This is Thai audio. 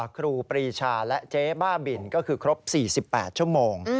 ครูปรีชาและเจ๊บ้าบินก็คือครบ๔๘ชั่วโมง